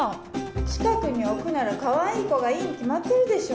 近くに置くならかわいい子がいいに決まってるでしょ。